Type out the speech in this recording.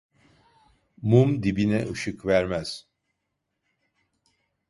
Mum dibine ışık vermez.